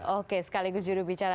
oke sekaligus juru bicara